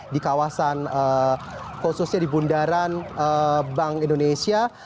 di kawasan khususnya di bundaran bank indonesia